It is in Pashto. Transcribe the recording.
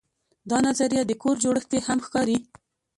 دا نظریه د کور جوړښت کې هم ښکاري.